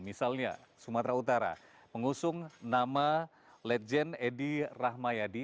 misalnya sumatera utara pengusung nama legend edi rahmayadi